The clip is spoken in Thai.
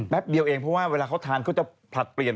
เดียวเองเพราะว่าเวลาเขาทานเขาจะผลัดเปลี่ยน